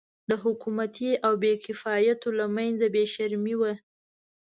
د حکومتي او بې کفایتو له منځه بې شرمي وه.